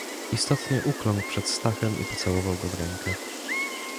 "Istotnie ukląkł przed Stachem i pocałował go w rękę."